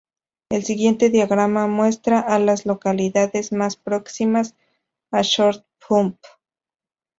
El siguiente diagrama muestra a las localidades más próximas a Short Pump.